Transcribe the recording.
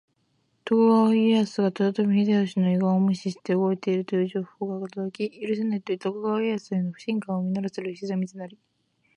徳川家康が豊臣秀吉の遺言を無視して動いているという情報が届き、「許せない！」と徳川家康への不信感を募らせる石田三成。